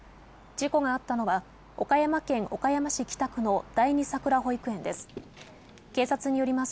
事故があったのは、岡山県岡山市北区の第二さくら保育園です。